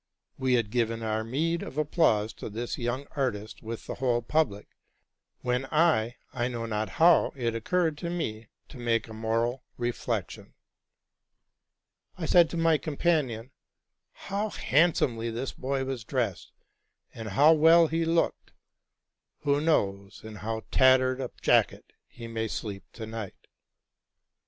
We had given our meed of applause to this young artist with the whole public, when, I know not how, it occurred to me to make a moral reflection. I said to my companion, '' How handsomely this boy was dressed, and how well he looked! who knows in how tattered a jacket he may sleep to night